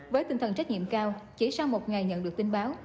với tinh thần trách nhiệm cao chỉ sau một ngày nhận được tin báo